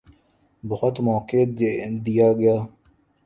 بہت موقع دیا گیا۔